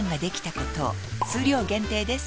数量限定です